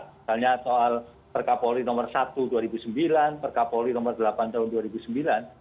misalnya soal perka poli nomor satu dua ribu sembilan perka poli nomor delapan tahun dua ribu sembilan